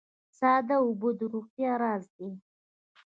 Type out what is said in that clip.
ساده اوبه د روغتیا راز دي